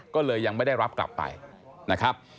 ก็เลยยังไม่ได้รับกลับไปนะครับ